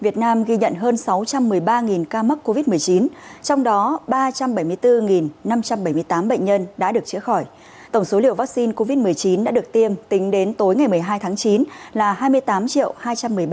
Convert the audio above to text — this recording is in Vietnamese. tổng số liều vaccine covid một mươi chín đã được tiêm tính đến tối ngày một mươi hai tháng chín là hai mươi tám hai trăm một mươi ba ba trăm chín mươi hai liều